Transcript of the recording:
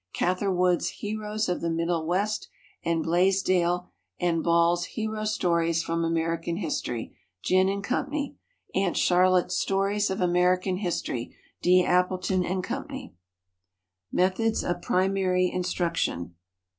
Catherwood's "Heroes of the Middle West," and Blaisdell and Ball's "Hero Stories from American History" (Ginn & Co.); Aunt Charlotte's "Stories of American History" (D. Appleton & Co.). Methods of Primary Instruction.